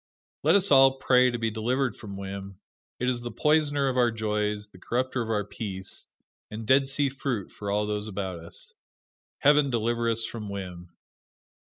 Let us all pray to be delivered from whim it is the poisoner of our joys, the corrupter of our peace, and Dead Sea fruit for all those about us. Heaven deliver us from whim!